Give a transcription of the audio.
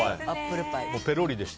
ぺロリでした。